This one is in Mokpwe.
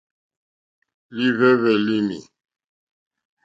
Líhwɛ́hwɛ́ lǐnà.